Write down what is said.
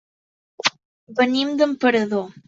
Venim d'Emperador.